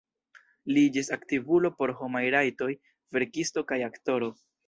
Li iĝis aktivulo por homaj rajtoj, verkisto kaj aktoro.